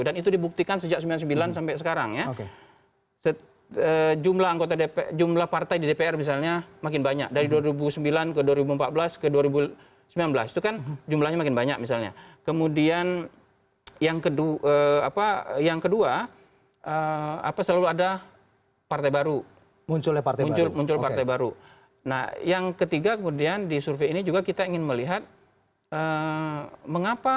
dan itu dibuktikan sejak seribu sembilan ratus sembilan puluh sembilan sampai sekarang